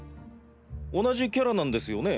同じキャラなんですよね？